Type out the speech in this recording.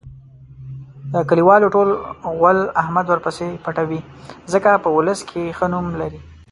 د کلیوالو ټول غول احمد ورپسې پټوي. ځکه په اولس کې ښه نوم لري.